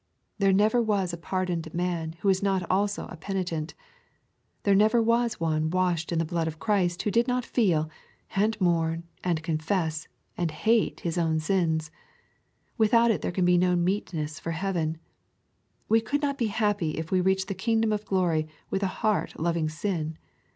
There never was a pardoned man who was not also a penitent. There never was one washed in the blood of Christ who did not feel, and mourn, and confess, and hate his own sins. — Without it there can be no meetness for heaven. We could not be happy if we reached the kingdom of glory with a heart loving sin.